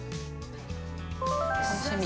◆楽しみ。